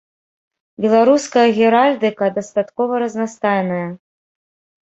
Беларуская геральдыка дастаткова разнастайная.